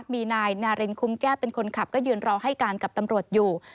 มีนายนารินคุ้มแก้เป็นคนขับก็ยืนรอให้การกับตำรวจอยู่